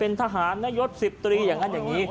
ก็แค่มีเรื่องเดียวให้มันพอแค่นี้เถอะ